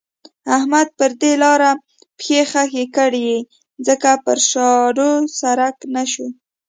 احمد پر دې لاره پښې خښې کړې ځکه پر شاړو سر نه شو.